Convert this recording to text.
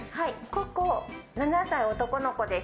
ココ、７歳、男の子です。